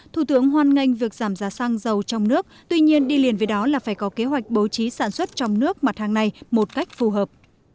thủ tướng hoan nghênh việc giảm giá xăng dầu trong nước tuy nhiên đi liền với đó là phải có kế hoạch bố trí sản xuất trong nước mặt hàng này một cách phù hợp